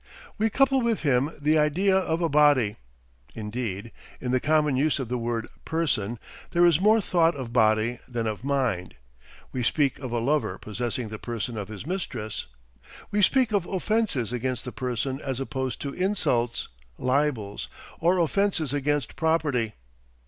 We couple with him the idea of a body. Indeed, in the common use of the word "person" there is more thought of body than of mind. We speak of a lover possessing the person of his mistress. We speak of offences against the person as opposed to insults, libels, or offences against property.